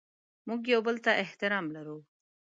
موږ یو بل ته احترام لرو.